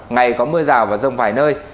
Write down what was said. ngày có mưa rào và rông vài nơi